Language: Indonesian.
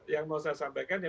yang mau saya sampaikan ya